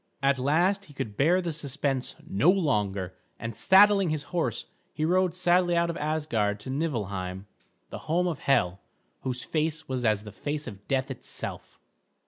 At last he could bear the suspense no longer, and saddling his horse he rode sadly out of Asgard to Niflheim, the home of Hel, whose face was as the face of death itself.